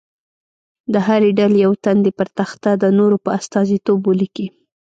د هرې ډلې یو تن دې پر تخته د نورو په استازیتوب ولیکي.